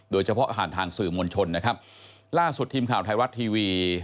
โดยเฉพาะอาหารทางสื่อมวลชนนะครับล่าสุดทีมข่าวไทยวัดทีวี